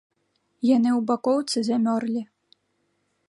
Яны ў бакоўцы замёрлі.